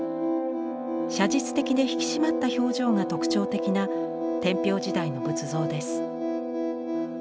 写実的で引き締まった表情が特徴的な天平時代の仏像です。